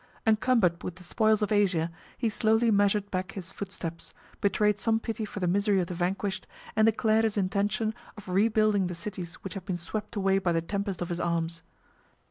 Eucumbered with the spoils of Asia, he slowly measured back his footsteps, betrayed some pity for the misery of the vanquished, and declared his intention of rebuilding the cities which had been swept away by the tempest of his arms.